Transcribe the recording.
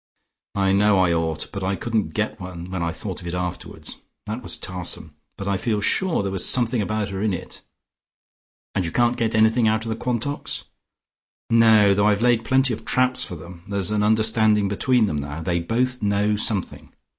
"I know I ought, but I couldn't get one when I thought of it afterwards. That was tarsome. But I feel sure there was something about her in it." "And you can't get anything out of the Quantocks?" "No, though I've laid plenty of traps for them. There's an understanding between them now. They both know something.